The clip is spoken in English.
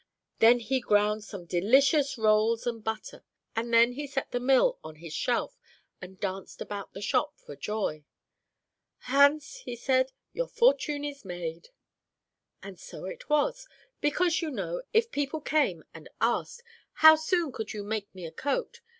Then he ground some delicious rolls and butter, and then he set the mill on his shelf, and danced about the shop for joy. "'Hans,' he said, 'your fortune is made.' "And so it was. Because, you know, if people came and asked, 'How soon could you make me a coat?'